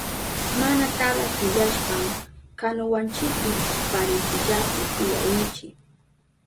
Mana tabla tiyashpan kanuwanchipi parintillapi tiyarinchi.